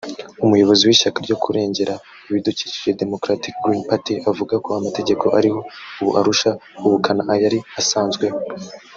umuyobozi w’Ishyaka ryo kurengera ibidukikije “Democratic Green Party” avuga ko amategeko ariho ubu arusha ubukana ayari asanzweho